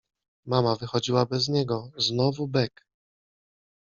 Mama wychodziła bez niego, znowu bek.